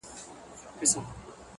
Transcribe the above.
د بُت له ستوني اورمه آذان څه به کوو؟!.